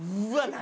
何？